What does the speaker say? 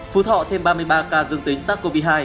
phú thọ thêm ba mươi ba ca dương tính sars cov hai